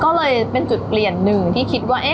ก็เลยเป็นจุดเปลี่ยนหนึ่งที่คิดว่า